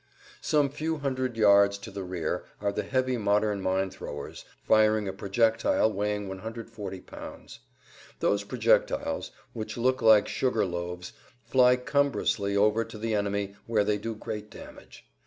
Some few hundred yards to the rear are the heavy modern mine throwers firing a projectile weighing 140 pounds. Those projectiles, which look like sugar[Pg 152] loaves, fly cumbrously over to the enemy where they do great damage.